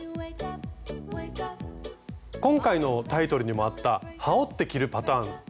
今回のタイトルにもあったはおって着るパターン。